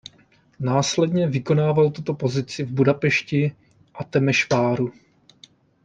Následně vykonával tuto pozici v Budapešti a Temešváru.